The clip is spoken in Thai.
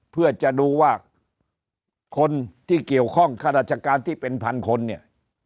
เพื่อจะดูว่าคนที่เกี่ยวข้องข้าราชการที่เป็นพันคนเนี่ย